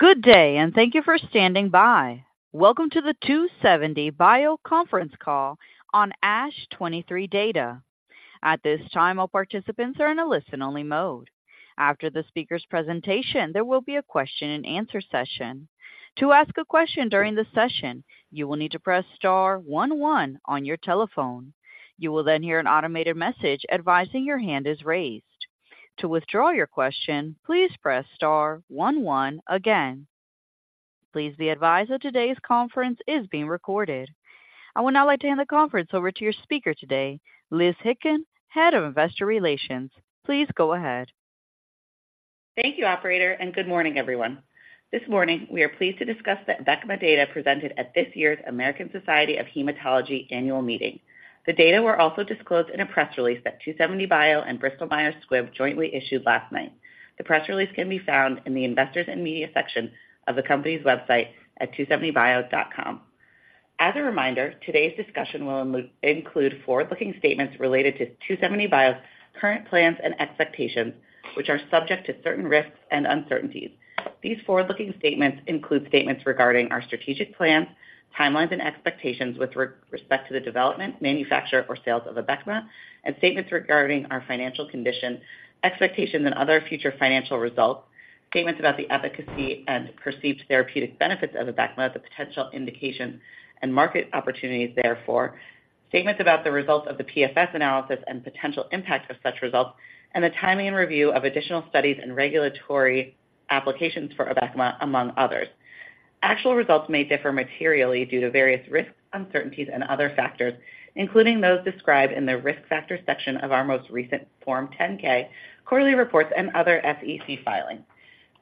Good day, and thank you for standing by. Welcome to the 2seventy bio Conference Call on ASH 23 data. At this time, all participants are in a listen-only mode. After the speaker's presentation, there will be a question-and-answer session. To ask a question during the session, you will need to press star one one on your telephone. You will then hear an automated message advising your hand is raised. To withdraw your question, please press star one one again. Please be advised that today's conference is being recorded. I would now like to hand the conference over to your speaker today, Liz Hickin, Head of Investor Relations. Please go ahead. Thank you, operator, and good morning, everyone. This morning, we are pleased to discuss the Abecma data presented at this year's American Society of Hematology Annual Meeting. The data were also disclosed in a press release that 2seventy bio and Bristol Myers Squibb jointly issued last night. The press release can be found in the Investors and Media section of the company's website at 2seventybio.com. As a reminder, today's discussion will include forward-looking statements related to 2seventy bio's current plans and expectations, which are subject to certain risks and uncertainties. These forward-looking statements include statements regarding our strategic plans, timelines and expectations with respect to the development, manufacture, or sales of Abecma, and statements regarding our financial condition, expectations and other future financial results. Statements about the efficacy and perceived therapeutic benefits of Abecma, the potential indications and market opportunities therefore, statements about the results of the PFS analysis and potential impact of such results, and the timing and review of additional studies and regulatory applications for Abecma, among others. Actual results may differ materially due to various risks, uncertainties and other factors, including those described in the Risk Factors section of our most recent Form 10-K, quarterly reports, and other SEC filings.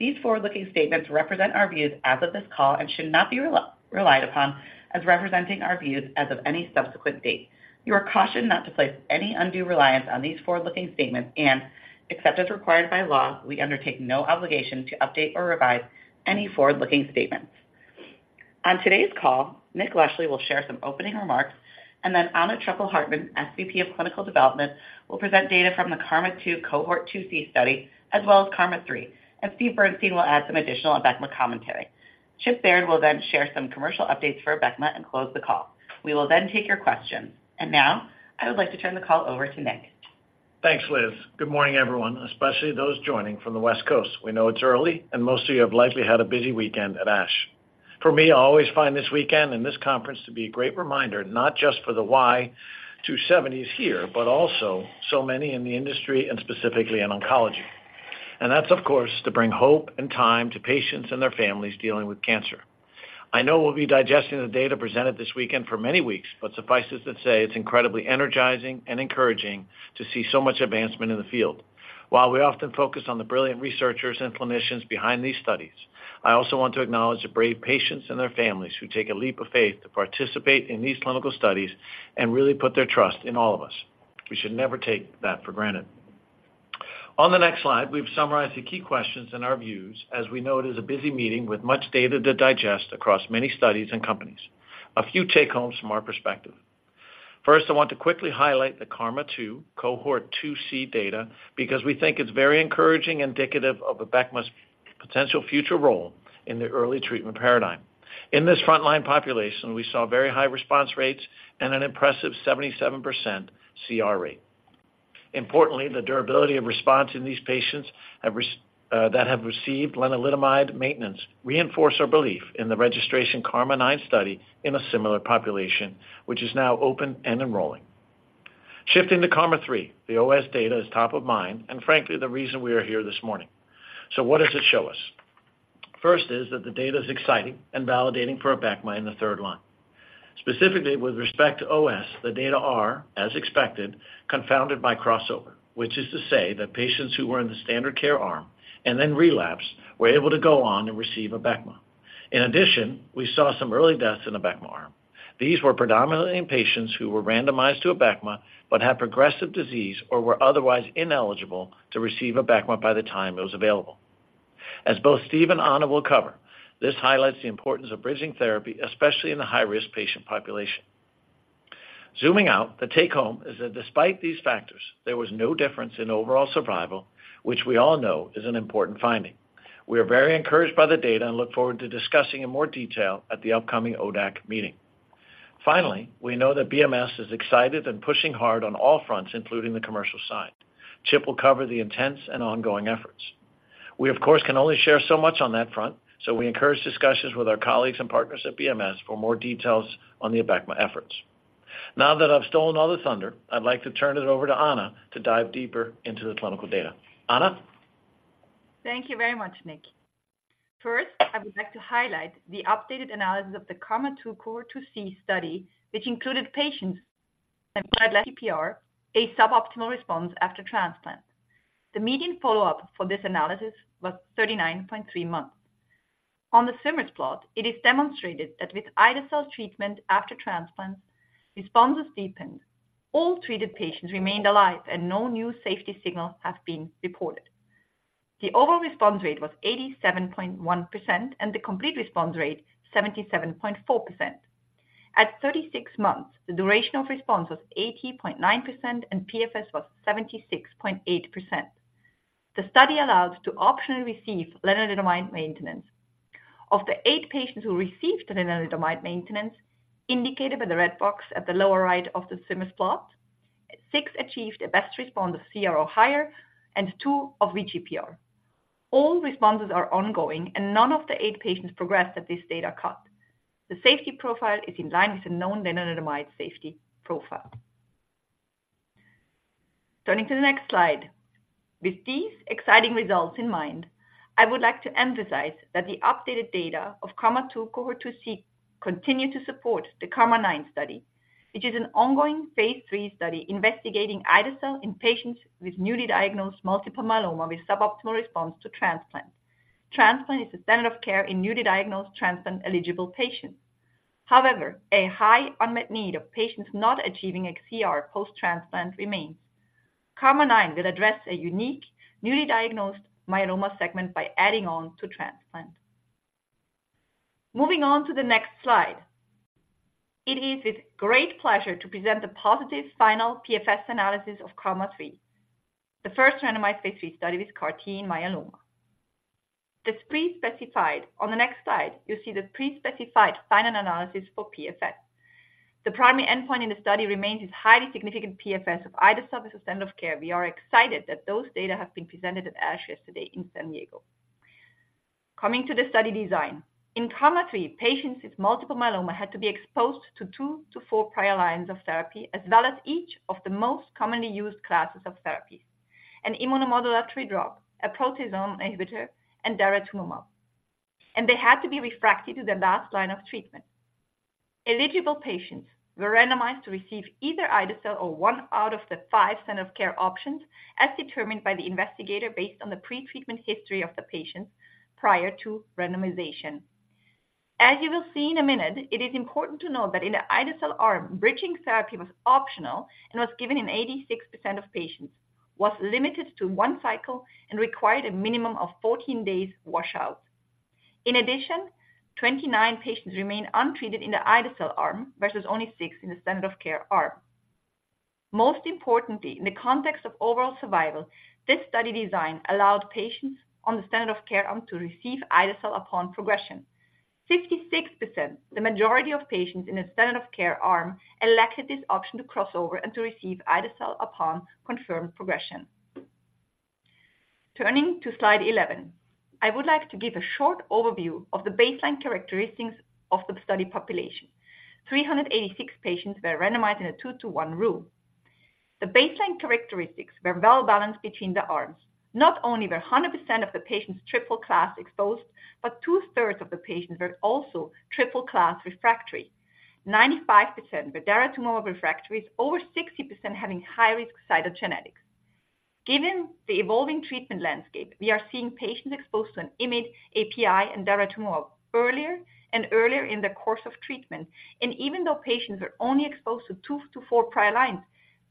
These forward-looking statements represent our views as of this call and should not be relied upon as representing our views as of any subsequent date. You are cautioned not to place any undue reliance on these forward-looking statements, and except as required by law, we undertake no obligation to update or revise any forward-looking statements. On today's call, Nick Leschly will share some opening remarks, and then Anna Truppel-Hartmann, SVP of Clinical Development, will present data from the KarMMa-2 Cohort 2C study, as well as KarMMa-3, and Steve Bernstein will add some additional Abecma commentary. Chip Baird will then share some commercial updates for Abecma and close the call. We will then take your questions. And now, I would like to turn the call over to Nick. Thanks, Liz. Good morning, everyone, especially those joining from the West Coast. We know it's early, and most of you have likely had a busy weekend at ASH. For me, I always find this weekend and this conference to be a great reminder, not just for the why 2seventy bio is here, but also so many in the industry and specifically in oncology. That's, of course, to bring hope and time to patients and their families dealing with cancer. I know we'll be digesting the data presented this weekend for many weeks, but suffices to say it's incredibly energizing and encouraging to see so much advancement in the field. While we often focus on the brilliant researchers and clinicians behind these studies, I also want to acknowledge the brave patients and their families who take a leap of faith to participate in these clinical studies and really put their trust in all of us. We should never take that for granted. On the next slide, we've summarized the key questions and our views, as we know it is a busy meeting with much data to digest across many studies and companies. A few take homes from our perspective. First, I want to quickly highlight the KarMMa-2 Cohort 2C data because we think it's very encouraging, indicative of Abecma's potential future role in the early treatment paradigm. In this frontline population, we saw very high response rates and an impressive 77% CR rate. Importantly, the durability of response in these patients that have received lenalidomide maintenance reinforce our belief in the registration KarMMa-9 study in a similar population, which is now open and enrolling. Shifting to KarMMa-3, the OS data is top of mind, and frankly, the reason we are here this morning. So what does it show us? First is, that the data is exciting and validating for Abecma in the third line. Specifically with respect to OS, the data are, as expected, confounded by crossover, which is to say that patients who were in the standard care arm and then relapsed, were able to go on and receive Abecma. In addition, we saw some early deaths in Abecma arm. These were predominantly in patients who were randomized to Abecma but had progressive disease or were otherwise ineligible to receive Abecma by the time it was available. As both Steve and Anna will cover, this highlights the importance of bridging therapy, especially in the high-risk patient population. Zooming out, the take-home is that despite these factors, there was no difference in overall survival, which we all know is an important finding. We are very encouraged by the data and look forward to discussing in more detail at the upcoming ODAC meeting. Finally, we know that BMS is excited and pushing hard on all fronts, including the commercial side. Chip will cover the intense and ongoing efforts. We, of course, can only share so much on that front, so we encourage discussions with our colleagues and partners at BMS for more details on the Abecma efforts. Now that I've stolen all the thunder, I'd like to turn it over to Anna to dive deeper into the clinical data. Anna? Thank you very much, Nick. First, I would like to highlight the updated analysis of the KarMMa-2 Cohort 2C study, which included patients in PR, a suboptimal response after transplant. The median follow-up for this analysis was 39.3 months. On the swimmer's plot, it is demonstrated that with ide-cel treatment after transplant, responses deepened. All treated patients remained alive, and no new safety signals have been reported. The overall response rate was 87.1%, and the complete response rate, 77.4%. At 36 months, the duration of response was 80.9% and PFS was 76.8%. The study allows to optionally receive lenalidomide maintenance. Of the eight patients who received lenalidomide maintenance, indicated by the red box at the lower right of the swimmer's plot, six achieved a best response of CR or higher, and two of VGPR. All responses are ongoing, and none of the 8 patients progressed at this data cut. The safety profile is in line with the known lenalidomide safety profile. Turning to the next slide. With these exciting results in mind, I would like to emphasize that the updated data of KarMMa-2 Cohort 2C continue to support the KarMMa-9 study, which is an ongoing Phase III study investigating ide-cel in patients with newly diagnosed multiple myeloma with suboptimal response to transplant. Transplant is the standard of care in newly diagnosed transplant-eligible patients. However, a high unmet need of patients not achieving a CR post-transplant remains. KarMMa-9 will address a unique, newly diagnosed myeloma segment by adding on to transplant. Moving on to the next slide. It is with great pleasure to present the positive final PFS analysis of KarMMa-3, the first randomized Phase III study with CAR T in myeloma. On the next slide, you'll see the pre-specified final analysis for PFS. The primary endpoint in the study remains this highly significant PFS of ide-cel versus standard of care. We are excited that those data have been presented at ASH yesterday in San Diego. Coming to the study design. In KarMMa-3, patients with multiple myeloma had to be exposed to two to four prior lines of therapy, as well as each of the most commonly used classes of therapies: an immunomodulatory drug, a proteasome inhibitor, and daratumumab, and they had to be refractory to the last line of treatment. Eligible patients were randomized to receive either ide-cel or 1 out of the 5 standard care options, as determined by the investigator based on the pre-treatment history of the patient prior to randomization. As you will see in a minute, it is important to know that in the ide-cel arm, bridging therapy was optional and was given in 86% of patients, was limited to one cycle, and required a minimum of 14 days washout. In addition, 29 patients remained untreated in the ide-cel arm, versus only 6 in the standard of care arm. Most importantly, in the context of overall survival, this study design allowed patients on the standard of care arm to receive ide-cel upon progression. 66%, the majority of patients in the standard of care arm, elected this option to cross over and to receive ide-cel upon confirmed progression. Turning to slide 11, I would like to give a short overview of the baseline characteristics of the study population. 386 patients were randomized in a two to one rule. The baseline characteristics were well balanced between the arms. Not only were 100% of the patients triple-class exposed, but two-thirds of the patients were also triple-class refractory. 95% were daratumumab-refractory, over 60% having high-risk cytogenetics. Given the evolving treatment landscape, we are seeing patients exposed to an IMiD, PI, and daratumumab earlier and earlier in the course of treatment. Even though patients are only exposed to two to four prior lines,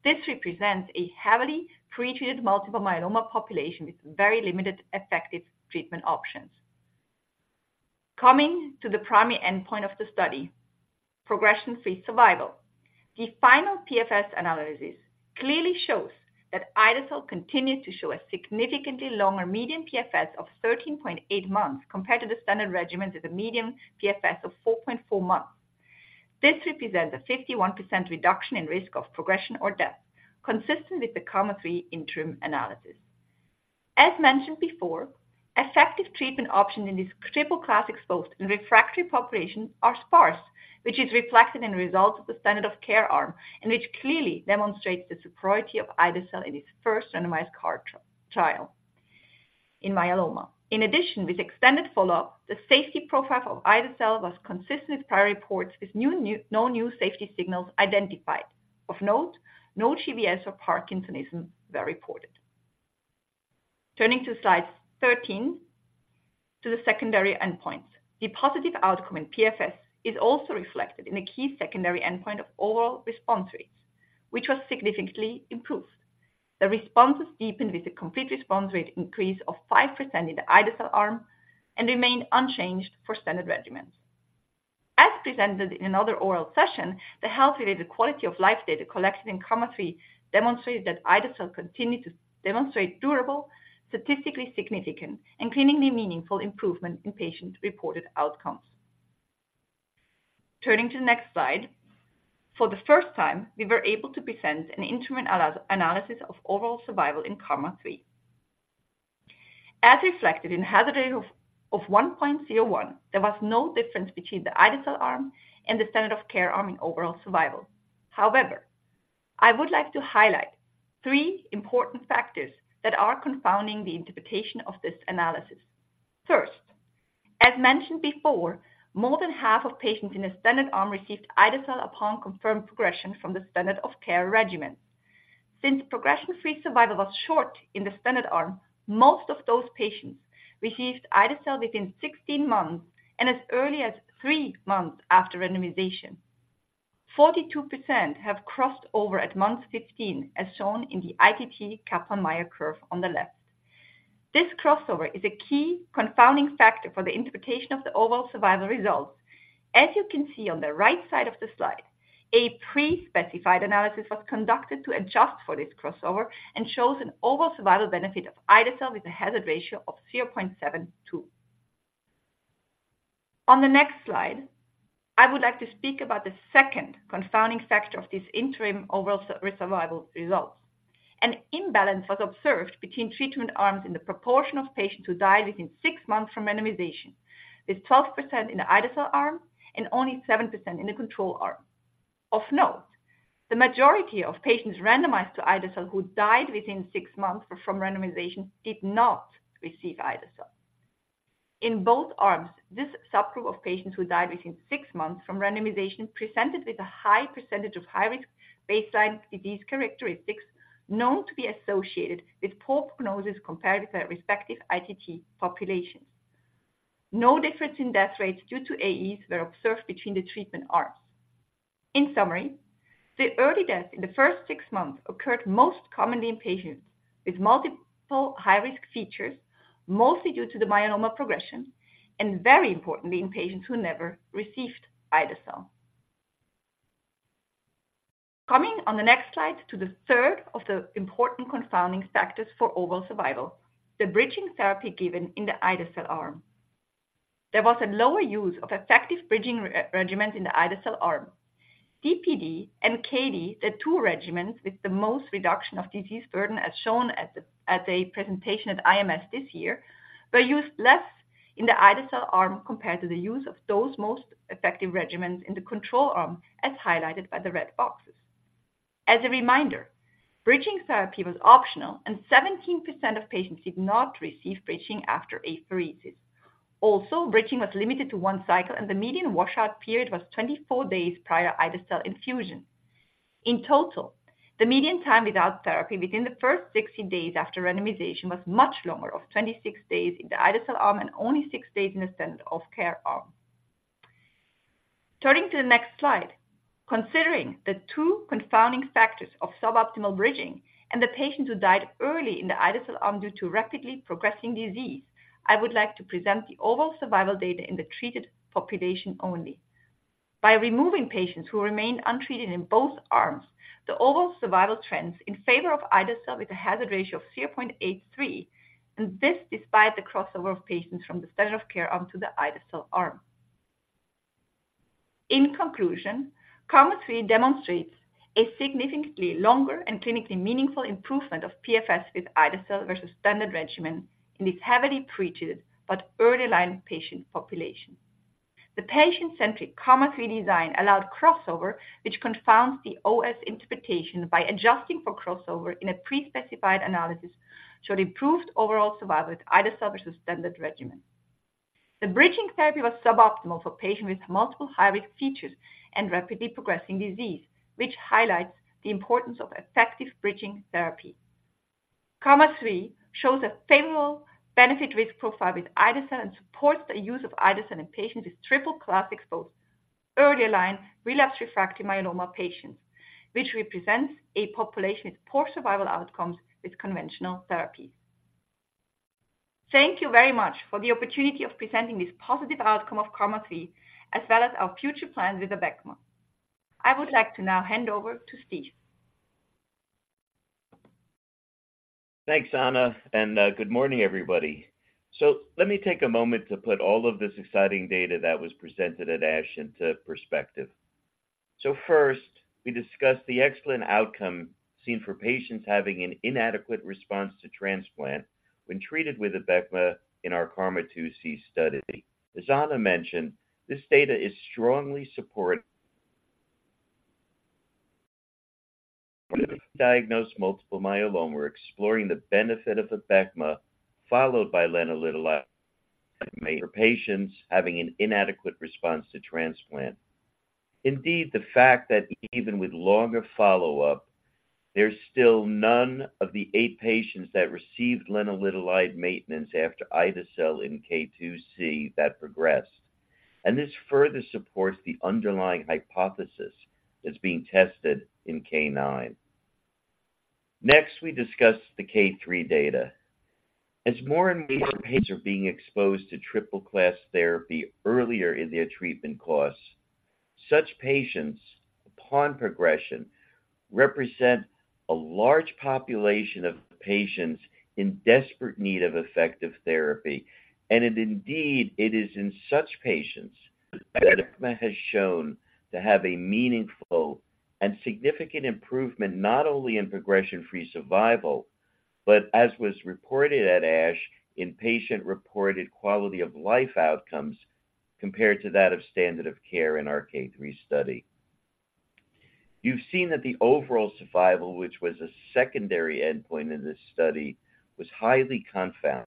this represents a heavily pretreated multiple myeloma population with very limited effective treatment options. Coming to the primary endpoint of the study, progression-free survival. The final PFS analysis clearly shows that ide-cel continued to show a significantly longer median PFS of 13.8 months, compared to the standard regimen with a median PFS of 4.4 months. This represents a 51% reduction in risk of progression or death, consistent with the KarMMa-3 interim analysis. As mentioned before, effective treatment options in this triple-class exposed and refractory population are sparse, which is reflected in the results of the standard of care arm, and which clearly demonstrates the superiority of ide-cel in its first randomized CAR T trial in myeloma. In addition, with extended follow-up, the safety profile of ide-cel was consistent with prior reports, with no new safety signals identified. Of note, no GBS or Parkinsonism were reported. Turning to slide 13, to the secondary endpoints. The positive outcome in PFS is also reflected in a key secondary endpoint of overall response rates, which was significantly improved. The response was deepened with a complete response rate increase of 5% in the ide-cel arm and remained unchanged for standard regimens. As presented in another oral session, the health-related quality of life data collected in KarMMa-3 demonstrated that ide-cel continued to demonstrate durable, statistically significant, and clinically meaningful improvement in patient-reported outcomes. Turning to the next slide. For the first time, we were able to present an interim analysis of overall survival in KarMMa-3. As reflected in hazard ratio of 1.01, there was no difference between the ide-cel arm and the standard of care arm in overall survival. However, I would like to highlight three important factors that are confounding the interpretation of this analysis. First, as mentioned before, more than half of patients in the standard arm received ide-cel upon confirmed progression from the standard of care regimen. Since progression-free survival was short in the standard arm, most of those patients received ide-cel within 16 months and as early as three months after randomization. Forty-two percent have crossed over at month 15, as shown in the ITT Kaplan-Meier curve on the left. This crossover is a key confounding factor for the interpretation of the overall survival results. As you can see on the right side of the slide, a pre-specified analysis was conducted to adjust for this crossover and shows an overall survival benefit of ide-cel with a hazard ratio of 0.72. On the next slide, I would like to speak about the second confounding factor of this interim overall survival results. An imbalance was observed between treatment arms in the proportion of patients who died within 6 months from randomization, with 12% in the ide-cel arm and only 7% in the control arm. Of note, the majority of patients randomized to ide-cel who died within 6 months from randomization did not receive ide-cel. In both arms, this subgroup of patients who died within six months from randomization presented with a high percentage of high-risk baseline disease characteristics known to be associated with poor prognosis compared with their respective ITT population. No difference in death rates due to AEs were observed between the treatment arms. In summary, the early death in the first six months occurred most commonly in patients with multiple high-risk features, mostly due to the myeloma progression, and very importantly, in patients who never received ide-cel. Coming on the next slide to the third of the important confounding factors for overall survival, the bridging therapy given in the ide-cel arm. There was a lower use of effective bridging regimen in the ide-cel arm. DPd and Kd, the two regimens with the most reduction of disease burden, as shown at a presentation at IMS this year, were used less in the ide-cel arm compared to the use of those most effective regimens in the control arm, as highlighted by the red boxes. As a reminder, bridging therapy was optional, and 17% of patients did not receive bridging after apheresis. Also, bridging was limited to one cycle, and the median washout period was 24 days prior ide-cel infusion. In total, the median time without therapy within the first 60 days after randomization was much longer of 26 days in the ide-cel arm and only six days in the standard of care arm. Turning to the next slide, considering the two confounding factors of suboptimal bridging and the patients who died early in the ide-cel arm due to rapidly progressing disease, I would like to present the overall survival data in the treated population only. By removing patients who remained untreated in both arms, the overall survival trends in favor of ide-cel with a hazard ratio of 0.83, and this despite the crossover of patients from the standard of care arm to the ide-cel arm. In conclusion, KarMMa-3 demonstrates a significantly longer and clinically meaningful improvement of PFS with ide-cel versus standard regimen in this heavily pretreated but earlier line patient population. The patient-centric KarMMa-3 design allowed crossover, which confounds the OS interpretation. By adjusting for crossover in a pre-specified analysis, showed improved overall survival with ide-cel versus standard regimen. The bridging therapy was suboptimal for patients with multiple high-risk features and rapidly progressing disease, which highlights the importance of effective bridging therapy. KarMMa-3 shows a favorable benefit-risk profile with ide-cel and supports the use of ide-cel in patients with triple-class exposed earlier-line relapsed/refractory myeloma patients, which represents a population with poor survival outcomes with conventional therapy. Thank you very much for the opportunity of presenting this positive outcome of KarMMa-3, as well as our future plans with Abecma. I would like to now hand over to Steve. Thanks, Anna, and good morning, everybody. So let me take a moment to put all of this exciting data that was presented at ASH into perspective. So first, we discussed the excellent outcome seen for patients having an inadequate response to transplant when treated with Abecma in our KarMMa-2C study. As Anna mentioned, this data strongly supports newly diagnosed multiple myeloma. We're exploring the benefit of Abecma, followed by lenalidomide for patients having an inadequate response to transplant. Indeed, the fact that even with longer follow-up, there's still none of the eight patients that received lenalidomide maintenance after ide-cel in KarMMa-2C that progressed. And this further supports the underlying hypothesis that's being tested in KarMMa-9. Next, we discuss the KarMMa-3 data. As more and more patients are being exposed to triple class therapy earlier in their treatment course, such patients, upon progression, represent a large population of patients in desperate need of effective therapy, and indeed, it is in such patients that Abecma has shown to have a meaningful and significant improvement, not only in progression-free survival, but as was reported at ASH, in patient-reported quality of life outcomes compared to that of standard of care in our KarMMa-3 study. You've seen that the overall survival, which was a secondary endpoint in this study, was highly confounded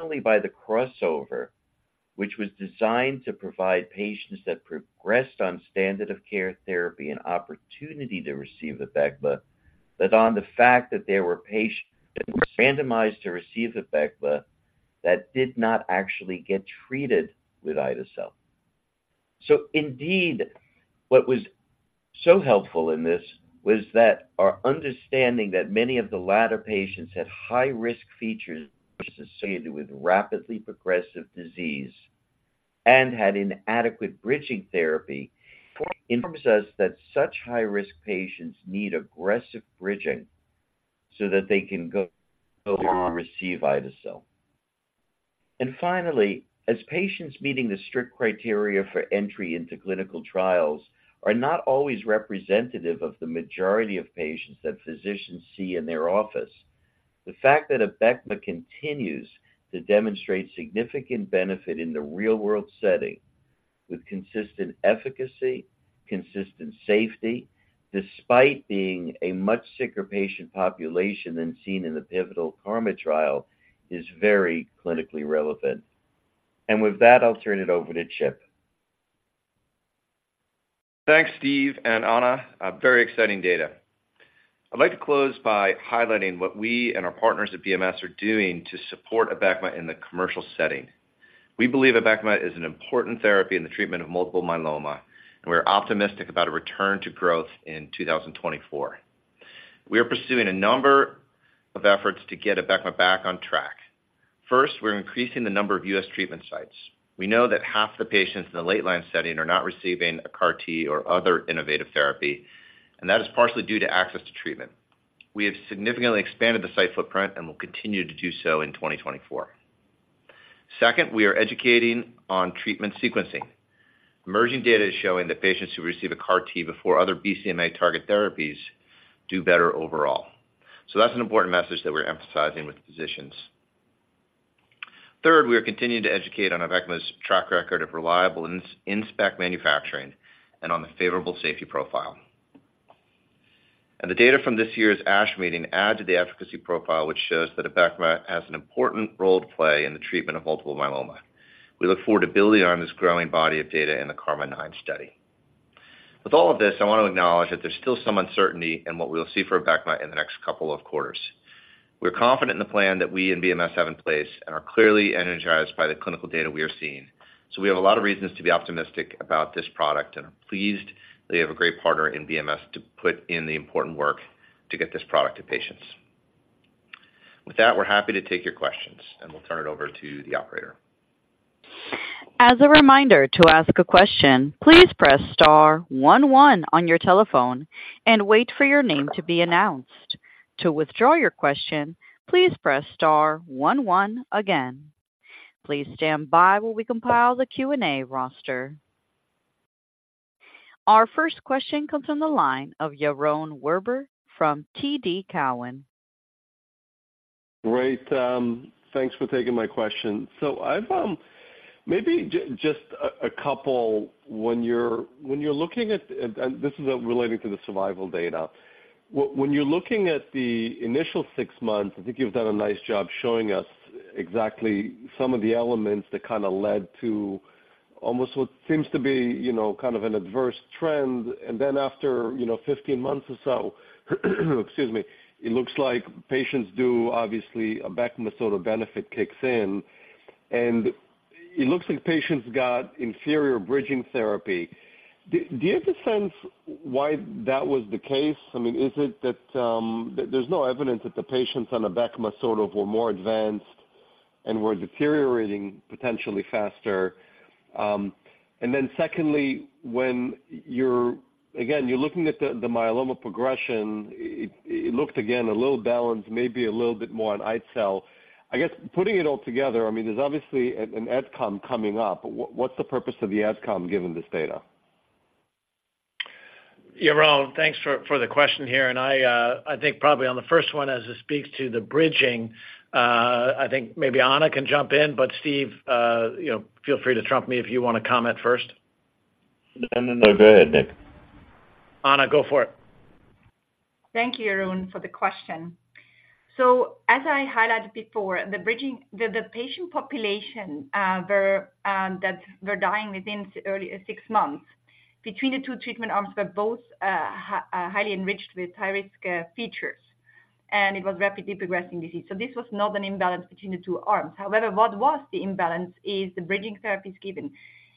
only by the crossover, which was designed to provide patients that progressed on standard of care therapy an opportunity to receive Abecma that did not actually get treated with ide-cel. So indeed, what was so helpful in this was that our understanding that many of the latter patients had high-risk features associated with rapidly progressive disease and had inadequate bridging therapy, informs us that such high-risk patients need aggressive bridging so that they can go, go on to receive ide-cel. And finally, as patients meeting the strict criteria for entry into clinical trials are not always representative of the majority of patients that physicians see in their office, the fact that Abecma continues to demonstrate significant benefit in the real-world setting with consistent efficacy, consistent safety, despite being a much sicker patient population than seen in the pivotal KarMMa trial, is very clinically relevant. And with that, I'll turn it over to Chip. Thanks, Steve and Anna. Very exciting data. I'd like to close by highlighting what we and our partners at BMS are doing to support Abecma in the commercial setting. We believe Abecma is an important therapy in the treatment of multiple myeloma, and we're optimistic about a return to growth in 2024. We are pursuing a number of efforts to get Abecma back on track. First, we're increasing the number of U.S. treatment sites. We know that half the patients in the late-line setting are not receiving a CAR T or other innovative therapy, and that is partially due to access to treatment. We have significantly expanded the site footprint and will continue to do so in 2024. Second, we are educating on treatment sequencing. Emerging data is showing that patients who receive a CAR T before other BCMA target therapies do better overall. So that's an important message that we're emphasizing with physicians. Third, we are continuing to educate on Abecma's track record of reliable in-spec manufacturing and on the favorable safety profile. And the data from this year's ASH Meeting add to the efficacy profile, which shows that Abecma has an important role to play in the treatment of multiple myeloma. We look forward to building on this growing body of data in the KarMMa-9 study. With all of this, I want to acknowledge that there's still some uncertainty in what we'll see for Abecma in the next couple of quarters. We're confident in the plan that we and BMS have in place and are clearly energized by the clinical data we are seeing. So we have a lot of reasons to be optimistic about this product and are pleased that we have a great partner in BMS to put in the important work to get this product to patients. With that, we're happy to take your questions, and we'll turn it over to the operator. As a reminder, to ask a question, please press star one one on your telephone and wait for your name to be announced. To withdraw your question, please press star one one again. Please stand by while we compile the Q&A roster. Our first question comes from the line of Yaron Werber from TD Cowen. Great, thanks for taking my question. So I've maybe just a couple, when you're looking at. And this is relating to the survival data. When you're looking at the initial 6 months, I think you've done a nice job showing us exactly some of the elements that kind of led to almost what seems to be, you know, kind of an adverse trend. And then after, you know, 15 months or so, excuse me, it looks like patients do obviously, Abecma sort of benefit kicks in, and it looks like patients got inferior bridging therapy. Do you have a sense why that was the case? I mean, is it that there's no evidence that the patients on Abecma sort of were more advanced and were deteriorating potentially faster. And then secondly, when you're again looking at the myeloma progression, it looked a little balanced, maybe a little bit more on ide-cel. I guess, putting it all together, I mean, there's obviously an AdCom coming up. What's the purpose of the AdCom, given this data? Yaron, thanks for the question here, and I, I think probably on the first one, as it speaks to the bridging, I think maybe Anna can jump in, but Steve, you know, feel free to trump me if you want to comment first. No, no, no. Go ahead, Nick. Anna, go for it. Thank you, Yaron, for the question. So as I highlighted before, the bridging, the patient population that were dying within the early six months between the two treatment arms were both highly enriched with high-risk features, and it was rapidly progressing disease. So this was not an imbalance between the two arms. However, what was the imbalance is the bridging therapies given.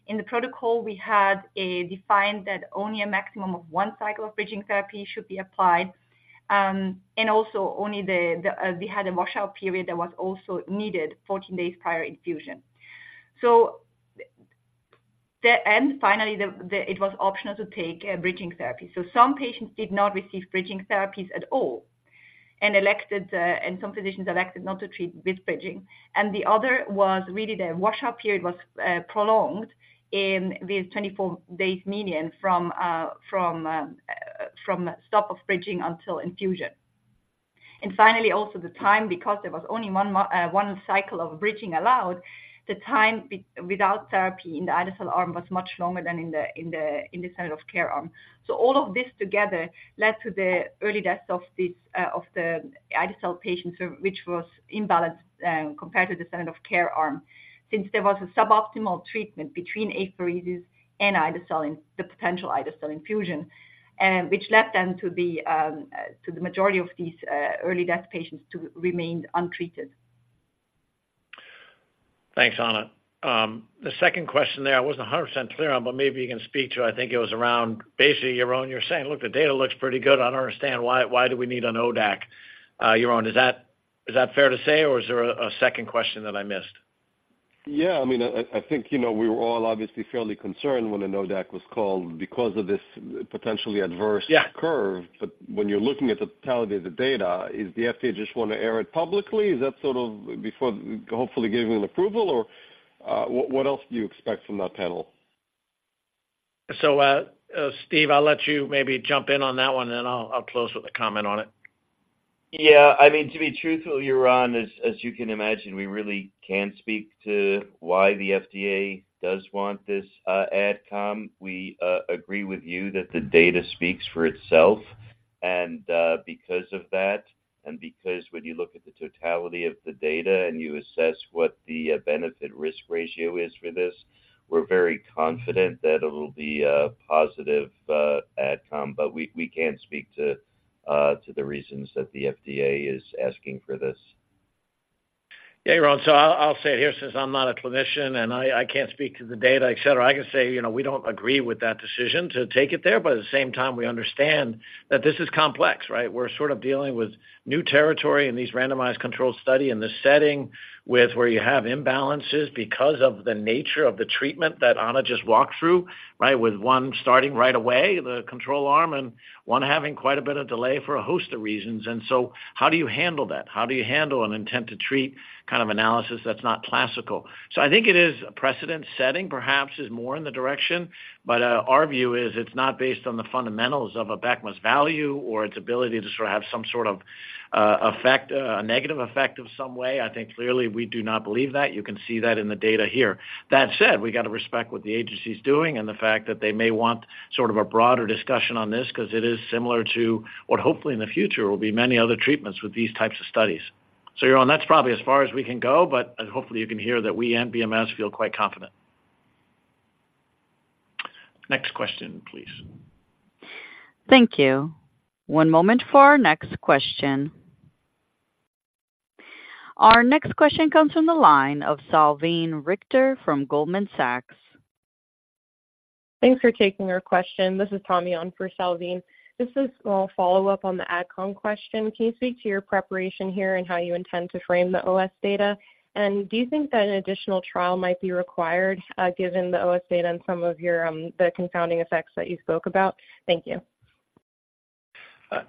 In the protocol, we had defined that only a maximum of one cycle of bridging therapy should be applied, and also we had a washout period that was also needed 14 days prior infusion. So and finally, it was optional to take a bridging therapy. So some patients did not receive bridging therapies at all and elected and some physicians elected not to treat with bridging. The other was really the washout period was prolonged in these 24 days median from stop of bridging until infusion. Finally, also the time, because there was only one cycle of bridging allowed, the time without therapy in the ide-cel arm was much longer than in the standard of care arm. All of this together led to the early deaths of the ide-cel patients, which was imbalanced compared to the standard of care arm, since there was a suboptimal treatment between apheresis and ide-cel, and the potential ide-cel infusion, which led to the majority of these early death patients to remain untreated. Thanks, Anna. The second question there, I wasn't 100% clear on, but maybe you can speak to, I think it was around basically, Yaron, you're saying, "Look, the data looks pretty good. I don't understand why, why do we need an ODAC?" Yaron, is that, is that fair to say, or is there a second question that I missed? Yeah, I mean, I think, you know, we were all obviously fairly concerned when an ODAC was called because of this potentially adverse Yeah. curve. But when you're looking at the totality of the data, is the FDA just want to air it publicly? Is that sort of before hopefully giving an approval, or, what, what else do you expect from that panel? So, Steve, I'll let you maybe jump in on that one, and then I'll close with a comment on it. Yeah, I mean, to be truthful, Yaron, as you can imagine, we really can't speak to why the FDA does want this AdCom. We agree with you that the data speaks for itself. And because of that, and because when you look at the totality of the data and you assess what the benefit-risk ratio is for this, we're very confident that it'll be a positive AdCom, but we can't speak to the reasons that the FDA is asking for this. Yeah, Yaron, so I'll say it here, since I'm not a clinician and I can't speak to the data, et cetera, I can say, you know, we don't agree with that decision to take it there, but at the same time, we understand that this is complex, right? We're sort of dealing with new territory in these randomized controlled study, in this setting, with where you have imbalances because of the nature of the treatment that Ana just walked through, right? With one starting right away, the control arm, and one having quite a bit of delay for a host of reasons. So how do you handle that? How do you handle an intent to treat kind of analysis that's not classical? So I think it is a precedent-setting, perhaps is more in the direction, but, our view is it's not based on the fundamentals of Abecma's value or its ability to sort of have some sort of, effect, a negative effect of some way. I think clearly we do not believe that. You can see that in the data here. That said, we got to respect what the agency is doing and the fact that they may want sort of a broader discussion on this because it is similar to what, hopefully in the future, will be many other treatments with these types of studies. So Yaron, that's probably as far as we can go, but hopefully you can hear that we and BMS feel quite confident. Next question, please. Thank you. One moment for our next question. Our next question comes from the line of Salveen Richter from Goldman Sachs. Thanks for taking our question. This is Tommy on for Salveen. This is a follow-up on the AdCom question. Can you speak to your preparation here and how you intend to frame the OS data? And do you think that an additional trial might be required, given the OS data and some of your, the confounding effects that you spoke about? Thank you.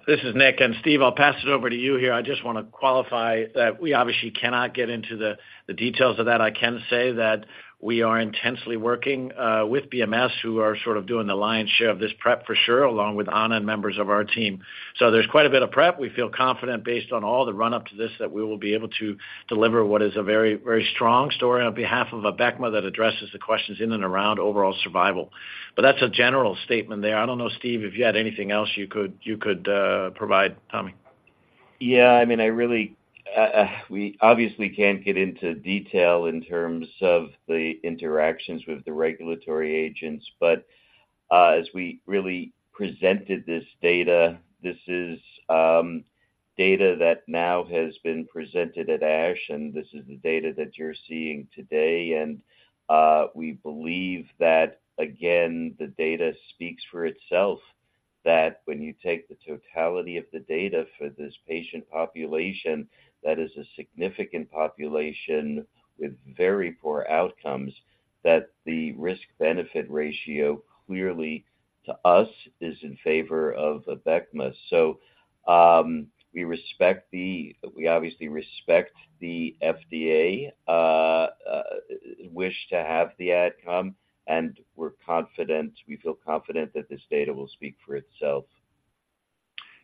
This is Nick, and Steve, I'll pass it over to you here. I just want to qualify that we obviously cannot get into the details of that. I can say that we are intensely working with BMS, who are sort of doing the lion's share of this prep for sure, along with Ana and members of our team. So there's quite a bit of prep. We feel confident based on all the run-up to this, that we will be able to deliver what is a very, very strong story on behalf of Abecma that addresses the questions in and around overall survival. But that's a general statement there. I don't know, Steve, if you had anything else you could provide to Tommy. Yeah, I mean, I really. We obviously can't get into detail in terms of the interactions with the regulatory agents, but, as we really presented this data, this is data that now has been presented at ASH, and this is the data that you're seeing today. And we believe that, again, the data speaks for itself, that when you take the totality of the data for this patient population, that is a significant population with very poor outcomes, that the risk-benefit ratio, clearly to us, is in favor of Abecma. So, we respect the, we obviously respect the FDA wish to have the AdCom, and we're confident, we feel confident that this data will speak for itself.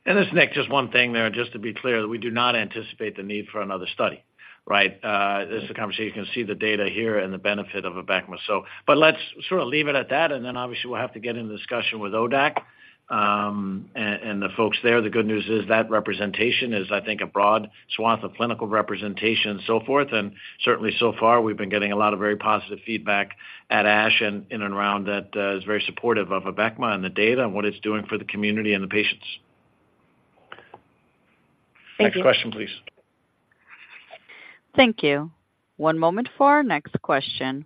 This is Nick. Just one thing there, just to be clear, that we do not anticipate the need for another study, right? This is a conversation. You can see the data here and the benefit of Abecma. So, but let's sort of leave it at that, and then obviously, we'll have to get into the discussion with ODAC, and, and the folks there. The good news is that representation is, I think, a broad swath of clinical representation and so forth, and certainly so far, we've been getting a lot of very positive feedback at ASH and in and around that, is very supportive of Abecma and the data and what it's doing for the community and the patients. Thank you. Next question, please. Thank you. One moment for our next question.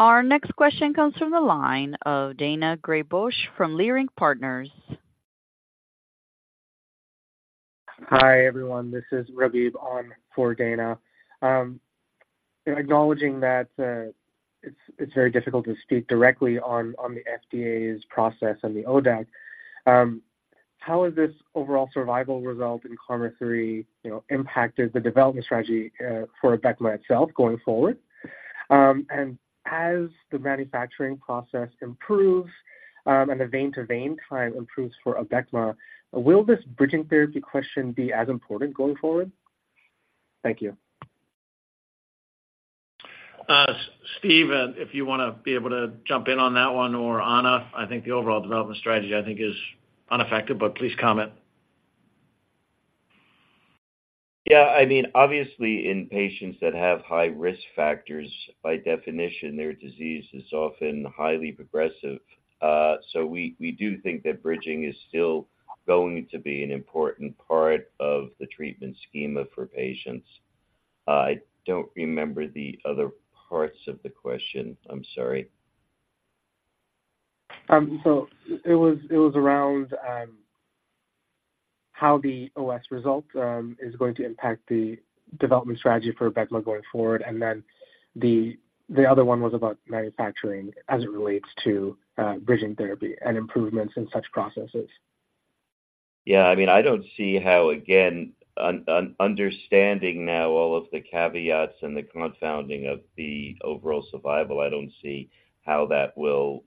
Our next question comes from the line of Daina Graybosch, from Leerink Partners. Hi, everyone. This is Rabib on for Daina. Acknowledging that it's very difficult to speak directly on the FDA's process and the ODAC, how is this overall survival result in KarMMa-3, you know, impacted the development strategy for Abecma itself going forward? As the manufacturing process improves, and the vein to vein time improves for Abecma, will this bridging therapy question be as important going forward? Thank you. Steve, if you want to be able to jump in on that one or Ana, I think the overall development strategy, I think, is unaffected, but please comment. Yeah, I mean, obviously in patients that have high-risk factors, by definition, their disease is often highly progressive. So we, we do think that bridging is still going to be an important part of the treatment schema for patients. I don't remember the other parts of the question. I'm sorry. So it was around how the OS result is going to impact the development strategy for Abecma going forward. And then the other one was about manufacturing as it relates to bridging therapy and improvements in such processes. Yeah, I mean, I don't see how, again, understanding now all of the caveats and the confounding of the overall survival, I don't see how that will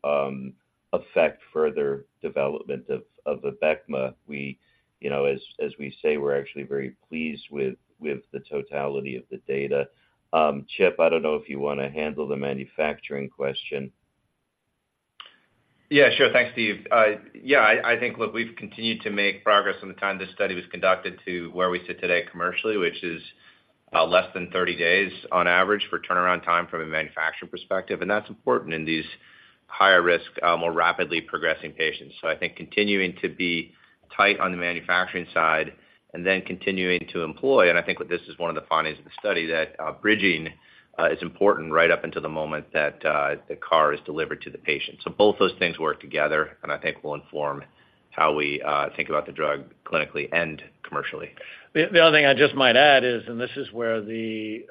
affect further development of Abecma. We, you know, as we say, we're actually very pleased with the totality of the data. Chip, I don't know if you wanna handle the manufacturing question. Yeah, sure. Thanks, Steve. Yeah, I think, look, we've continued to make progress from the time this study was conducted to where we sit today commercially, which is less than 30 days on average for turnaround time from a manufacturing perspective, and that's important in these higher risk, more rapidly progressing patients. So I think continuing to be tight on the manufacturing side and then continuing to employ, and I think that this is one of the findings of the study, that bridging is important right up until the moment that the CAR is delivered to the patient. So both those things work together, and I think will inform how we think about the drug clinically and commercially. The other thing I just might add is, and this is where the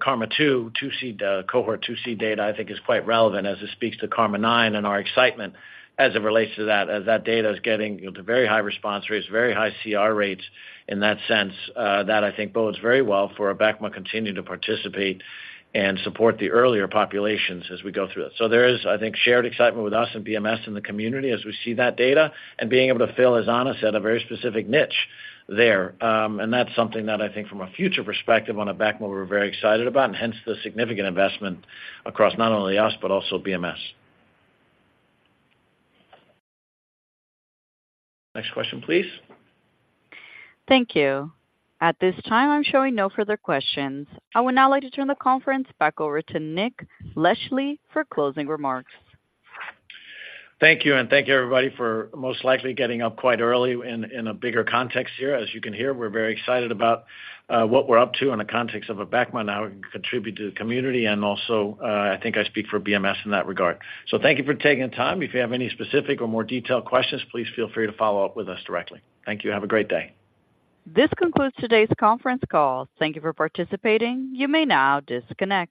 KarMMa-2 Cohort 2C data, I think is quite relevant as it speaks to KarMMa-9 and our excitement as it relates to that, as that data is getting, you know, to very high response rates, very high CR rates in that sense, that I think bodes very well for Abecma continuing to participate and support the earlier populations as we go through it. So there is, I think, shared excitement with us and BMS in the community as we see that data, and being able to fill, as Anna said, a very specific niche there. And that's something that I think from a future perspective on Abecma, we're very excited about, and hence the significant investment across not only us, but also BMS. Next question, please. Thank you. At this time, I'm showing no further questions. I would now like to turn the conference back over to Nick Leschly for closing remarks. Thank you, and thank you, everybody, for most likely getting up quite early in a bigger context here. As you can hear, we're very excited about what we're up to in the context of Abecma now and contribute to the community, and also, I think I speak for BMS in that regard. So thank you for taking the time. If you have any specific or more detailed questions, please feel free to follow up with us directly. Thank you. Have a great day. This concludes today's conference call. Thank you for participating. You may now disconnect.